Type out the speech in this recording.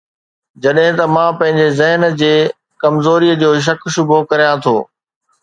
جڏهن ته مان پنهنجي ذهن جي ڪمزوريءَ جو شڪ شبهو ڪريان ٿو